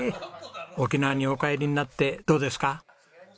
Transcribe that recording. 沖縄にお帰りになってどうですか？